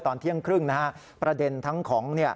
ตอนเที่ยงครึ่งประเด็นทั้งของ